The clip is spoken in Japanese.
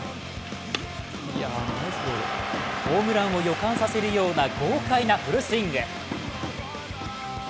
ホームランを予感させるような豪快なフルスイング。